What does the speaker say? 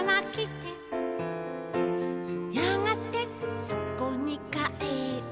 「やがてそこにかえって」